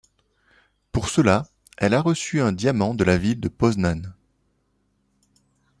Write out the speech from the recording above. Pour cela, elle a reçu un diamant de la ville de Poznań.